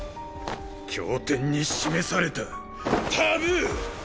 経典に示されたタブー！